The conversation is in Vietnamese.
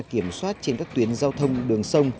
kiểm soát trên các tuyến giao thông đường sông